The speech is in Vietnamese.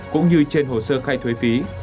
cũng như trên hồ sơ khai thuế phí